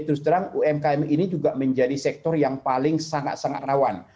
terus terang umkm ini juga menjadi sektor yang paling sangat sangat rawan